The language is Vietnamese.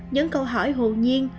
nhấn câu hỏi hồ nhiên